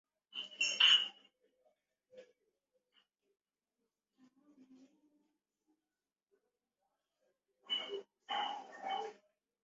মি-ফাম-ব্সোদ-নাম্স-দ্বাং-ফ্যুগ-গ্রাগ্স-পা-র্নাম-র্গ্যাল-দ্পাল-ব্জাং ফাগ-মো-গ্রু-পা রাজবংশের দ্বাদশ রাজা র্নাম-পার-র্গ্যাল-বার জ্যৈষ্ঠ পুত্র ছিলএন।